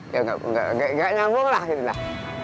ya nggak nyambung lah